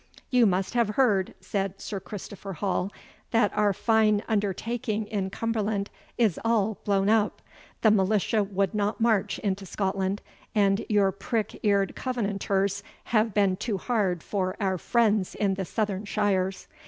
"You must have heard," said Sir Christopher Hall, "that our fine undertaking in Cumberland is all blown up. The militia would not march into Scotland, and your prick ear'd Covenanters have been too hard for our friends in the southern shires.